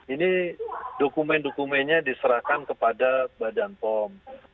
ini dokumen dokumennya diserahkan kepada badan pom